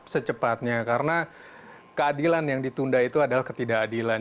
secepatnya karena keadilan yang ditunda itu adalah ketidakadilan